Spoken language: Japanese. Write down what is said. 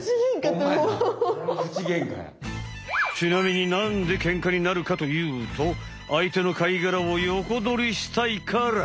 ちなみになんでケンカになるかというとあいての貝がらをヨコドリしたいから。